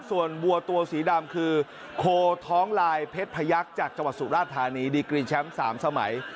ส่วนบัวตัวสีดำคือโคท้องลายเพชรพยักษ์จากจังหวัดสุราธานีดีกรีแชมป์๓สมัย